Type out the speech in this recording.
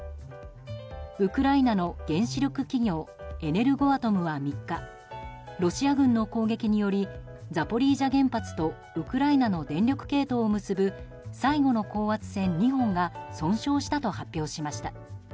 ウクライナの原子力企業エネルゴアトムは３日ロシア軍の攻撃によりザポリージャ原発とウクライナの電力系統を結ぶ最後の高圧線２本が損傷したと発表しました。